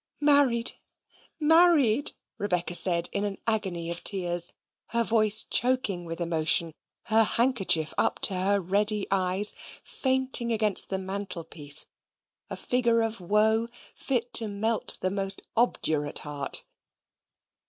"Married! married!" Rebecca said, in an agony of tears her voice choking with emotion, her handkerchief up to her ready eyes, fainting against the mantelpiece a figure of woe fit to melt the most obdurate heart.